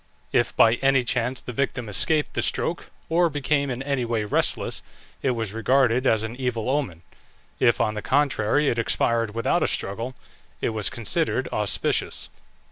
If by any chance the victim escaped the stroke, or became in any way restless, it was regarded as an evil omen; if, on the contrary, it expired without a struggle, it was considered auspicious.